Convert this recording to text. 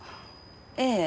ええ。